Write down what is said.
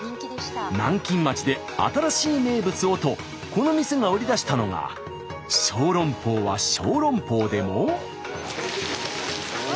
南京町で新しい名物をとこの店が売り出したのが小籠包は小籠包でも。